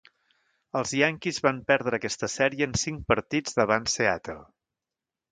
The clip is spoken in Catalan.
Els Yankees van perdre aquesta sèrie en cinc partits davant Seattle.